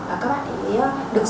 và các bạn được